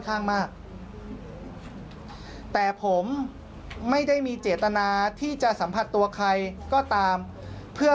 ข้างมากแต่ผมไม่ได้มีเจตนาที่จะสัมผัสตัวใครก็ตามเพื่อ